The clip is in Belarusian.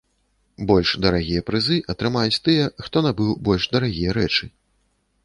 Больш дарагія прызы атрымаюць тыя, хто набыў больш дарагія рэчы.